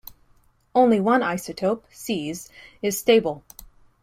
Only one isotope, Cs, is stable.